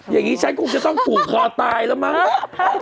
อย่างนี้ฉันคงจะต้องผูกคอตายแล้วมั้ง